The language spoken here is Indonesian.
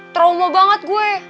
trauma banget gue